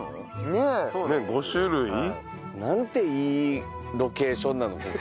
ねえ５種類。なんていいロケーションなのここ。